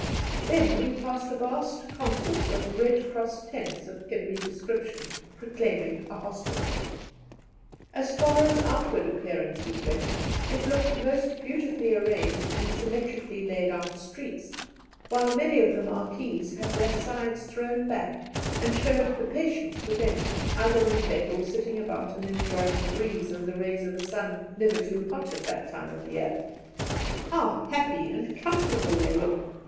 Then we passed a vast concourse of red cross tents of every description, proclaiming a hospital. As far as outward appearances went, it looked most beautifully arranged in symmetrically laid out streets, while many of the marquees had their sides thrown back, and showed the patients within, either in bed or sitting about and enjoying the breeze and the rays of a sun never too hot at that time of year. "How happy and comfortable they look!"